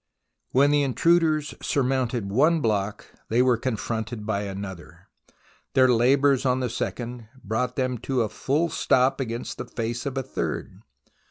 When the intruders surmounted one block, they were confronted by another. Their labours on the second brought them to a full stop against the face of the third.